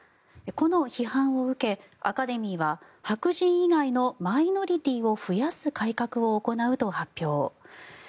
この批判を受けアカデミーは白人以外のマイノリティーを増やす改革を行うと発表。